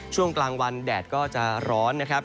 ช่วงกลางวันแดดก็จะร้อนนะครับ